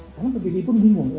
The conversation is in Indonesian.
sekarang pdb pun bingung